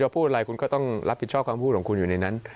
พูดอะไรคุณก็ต้องรับผิดชอบคำพูดของคุณอยู่ในนั้น